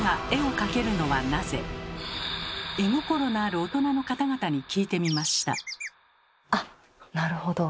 絵心のある大人の方々に聞いてみました。